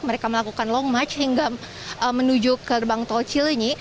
mereka melakukan long march hingga menuju ke gerbang tol cilenyi